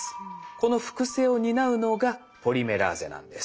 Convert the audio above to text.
この複製を担うのがポリメラーゼなんです。